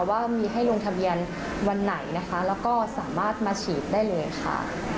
ว่ามีให้ลงทะเบียนวันไหนนะคะแล้วก็สามารถมาฉีดได้เลยค่ะ